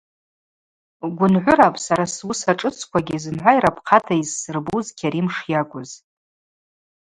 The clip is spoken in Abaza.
Гвынгӏвырапӏ сара суыса шӏыцквагьи зымгӏва йрапхъата йызсырбуз Кьарим шйакӏвыз.